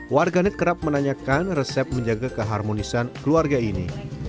warganet kerap menanyakan resep menjaga keharmonisan keluarga ini